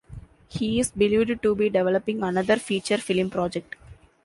He is believed to be developing another feature film project.